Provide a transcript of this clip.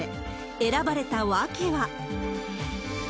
選ばれた訳は。